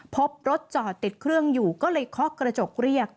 พบรถจอดติดเครื่องอยู่ก็เลยเคาะกระจกเรียก